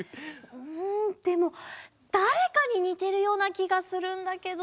うんでもだれかににてるようなきがするんだけどな。